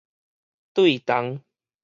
對同